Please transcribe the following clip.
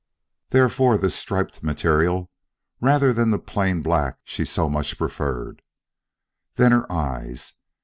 Therefore this striped material rather than the plain black she so much preferred. Then her eyes!